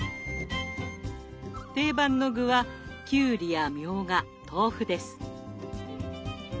定番の具はきゅうりやみょうが豆腐です。